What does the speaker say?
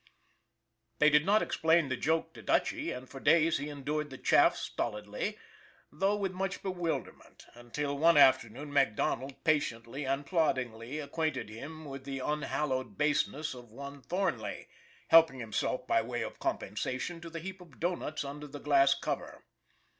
They did not explain the joke to Dutchy, and for days he endured the chaff stolidly, though with much bewilderment, until, one afternoon, MacDonald patiently and ploddingly acquainted him with the un hallowed baseness of one Thornley helping himself, by way of compensation, to the heap of doughnuts under the glass cover.